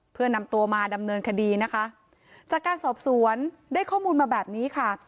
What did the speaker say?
เพื่อนำตัวมาดำเนินคดีนะคะจากการสอบสวนได้ข้อมูลมาแบบนี้ค่ะ